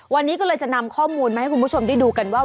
วันนี้ก็เลยจะนำข้อมูลมาให้คุณผู้ชมได้ดูกันว่า